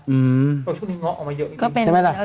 ช่วงนี้เงาะออกมาเยอะอีกนิดนึง